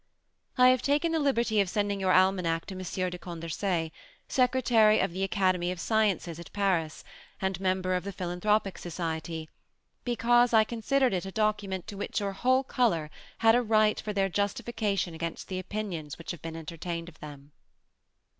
I have taken the liberty of sending your Almanac to Monsieur de Condorcet, Secretary of the Academy of Sciences at Paris, and Member of the Philanthropic Society, because I considered it a document to which your whole color had a right for their justification against the opinions which have been entertained of them."